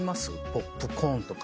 ポップコーンとか。